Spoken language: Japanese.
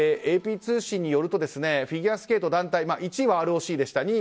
ＡＰ通信によるとフィギュアスケート団体１位はＲＯＣでした。